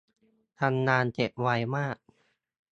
ทำงานเสร็จไวมาก